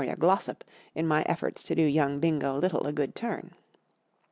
a Glossop in my efforts to do young Bingo Little a good turn.